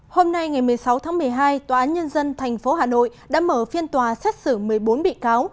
hôm nay ngày một mươi sáu tháng một mươi hai tòa án nhân dân tp hà nội đã mở phiên tòa xét xử một mươi bốn bị cáo